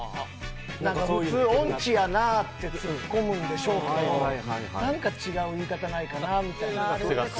普通音痴やなってツッコむんでしょうけど何か違う言い方ないかなみたいな。